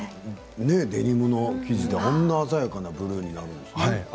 デニムの生地であんな鮮やかなブルーになるんですね。